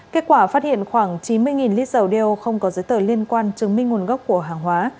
kết quả phát hiện khoảng chín mươi lít dầu đeo không có giấy tờ liên quan chứng minh nguồn gốc của hàng hóa